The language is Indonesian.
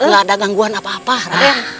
gak ada gangguan apa apa